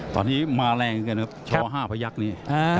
ตอนนี้มาแรงเกินครับชอห้าพยักษ์นี้